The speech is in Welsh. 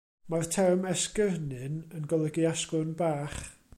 Mae'r term esgyrnyn yn golygu asgwrn bach.